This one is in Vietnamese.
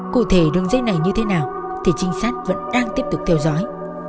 cụ thể đường dây này như thế nào thì trinh sát vẫn đang tiếp tục theo dõi